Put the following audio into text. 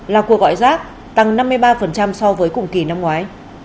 là cuộc gọi rác tăng năm mươi ba so với cùng kỳ năm ngoái